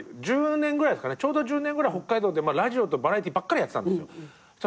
ちょうど１０年ぐらい北海道でラジオとバラエティーばっかりやってたんですよ。